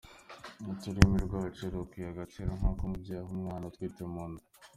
Ati “Ururimi rwacu rukwiriye agaciro nk’ako umubyeyi aha umwana atwite mu nda.